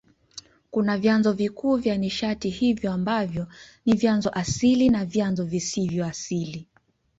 Kuna vyanzo vikuu vya nishati hiyo ambavyo ni vyanzo asili na vyanzo visivyo asili.